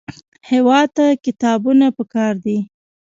هېواد ته کتابونه پکار دي